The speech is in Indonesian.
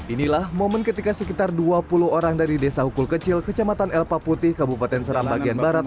inilah momen ketika sekitar dua puluh orang dari desa hukul kecil kecamatan elpa putih kabupaten seram bagian barat